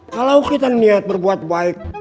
kalau kita niat berbuat baik